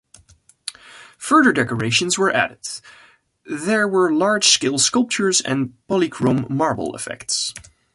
Further decorations were added; there were large scale sculptures and polychrome marble effects.